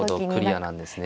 クリアなんですね。